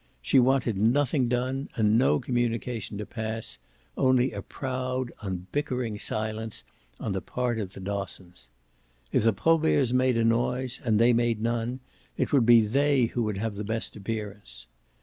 She wanted nothing done and no communication to pass only a proud unbickering silence on the part of the Dossons. If the Proberts made a noise and they made none it would be they who would have the best appearance.